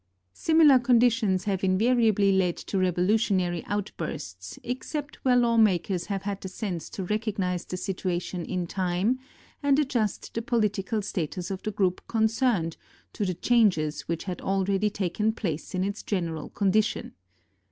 Similar conditions have invariably led to revolutionary outbursts except where lawmakers have had the sense to recognise the situation in time and adjust the political status of the group concerned to the changes which had already taken place in its general condition.